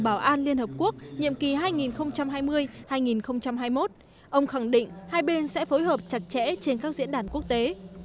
bảo an liên hợp quốc nhiệm kỳ hai nghìn hai mươi hai nghìn hai mươi một ông khẳng định hai bên sẽ phối hợp chặt chẽ trên các diễn đàn quốc tế